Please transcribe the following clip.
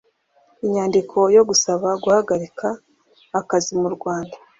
inyandiko yo gusaba guhagarika akazi murwanda